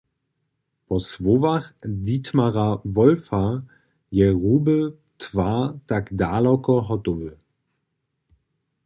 Po słowach Dietmara Wolfa je hruby twar tak daloko hotowy.